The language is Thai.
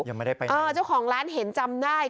ยังไม่ได้ไปไหนเออเจ้าของร้านเห็นจำได้